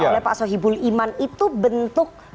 oleh pak sohibul iman itu bentuk